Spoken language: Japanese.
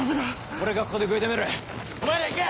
俺がここで食い止めるお前ら行け！